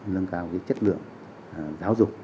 nâng cao cái chất lượng giáo dục